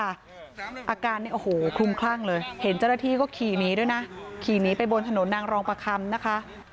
อาการเนี่ยโอ้โหคลุมคลั่งเลยเห็นเจ้าหน้าที่ก็ขี่หนีด้วยนะขี่หนีไปบนถนนนางรองประคำนะคะ